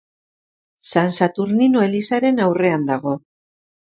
San Saturnino elizaren aurrean dago.